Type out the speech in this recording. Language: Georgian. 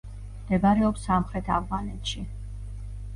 მდებარეობს სამხრეთ ავღანეთში.